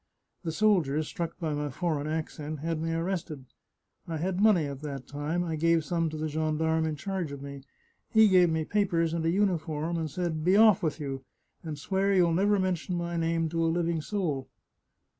The soldiers, struck by my for eign accent, had me arrested. I had money at that time ; I gave some to the gendarme in charge of me. He gave me papers and a uniform, and said, ' Be off with you, and swear you'll never mention my name to a living soul.'